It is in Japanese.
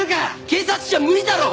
警察じゃ無理だろ！